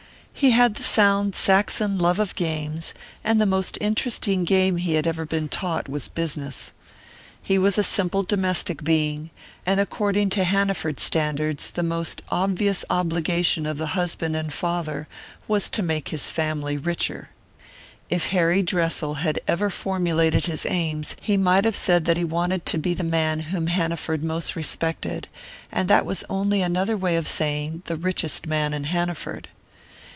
He had the sound Saxon love of games, and the most interesting game he had ever been taught was "business." He was a simple domestic being, and according to Hanaford standards the most obvious obligation of the husband and father was to make his family richer. If Harry Dressel had ever formulated his aims, he might have said that he wanted to be the man whom Hanaford most respected, and that was only another way of saying, the richest man in Hanaford.